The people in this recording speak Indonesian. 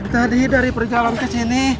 tadi dari perjalanan kesini